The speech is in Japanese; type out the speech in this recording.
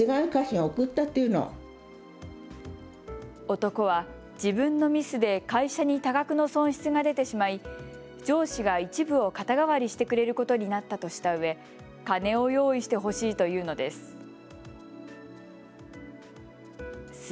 男は自分のミスで会社に多額の損失が出てしまい上司が一部を肩代わりしてくれることになったとしたうえ金を用意してほしいと言うのです。